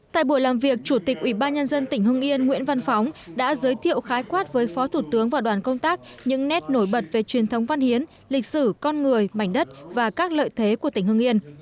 tại buổi làm việc chủ tịch ủy ban nhân dân tỉnh hưng yên nguyễn văn phóng đã giới thiệu khái quát với phó thủ tướng và đoàn công tác những nét nổi bật về truyền thống văn hiến lịch sử con người mảnh đất và các lợi thế của tỉnh hưng yên